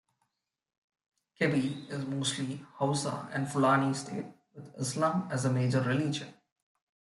Kebbi is mostly Hausa and Fulani state, with Islam as the major religion.